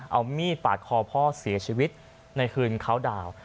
เอามีดปาดคอพ่อเสียชีวิตในคืนเขาดาวน์